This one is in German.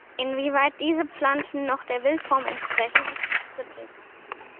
Inwieweit diese Pflanzen noch der Wildform entsprechen, ist strittig.